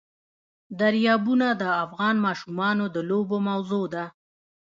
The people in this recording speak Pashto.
دریابونه د افغان ماشومانو د لوبو موضوع ده.